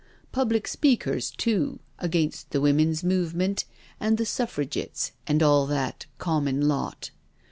Public speakers too, against the Women's Movement and the Suffrigitts and all that common lot.